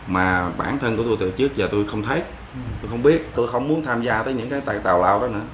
mà bản thân của tôi tự chức và tôi không thích tôi không biết tôi không muốn tham gia tới những cái tài tào lao đó nữa